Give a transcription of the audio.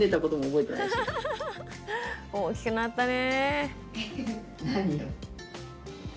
大きくなったね。